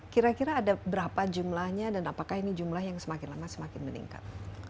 kira kira ada berapa jumlahnya dan apakah ini jumlah yang semakin lama semakin meningkat